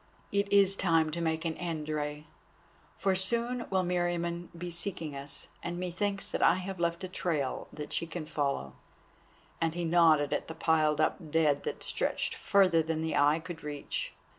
"It is time to make an end, Rei, for soon will Meriamun be seeking us, and methinks that I have left a trail that she can follow," and he nodded at the piled up dead that stretched further than the eye could reach.